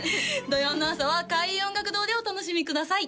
土曜の朝は開運音楽堂でお楽しみください